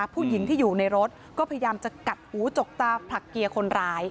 ผู้หญิงที่อยู่ในรถก็พยายามจะกัดหูจกตาผลักเกียร์คนร้าย